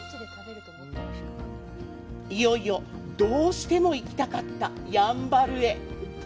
いよいよ、どうしても行きたかったやんばるへ！